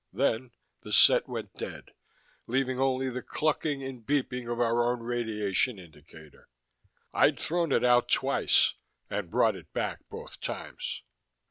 Then the set went dead, leaving only the clucking and beeping of our own radiation indicator. I'd thrown it out twice and brought it back both times.